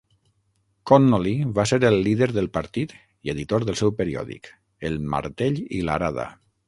Connolly va ser el líder del partit i editor del seu periòdic, "El martell i l'arada".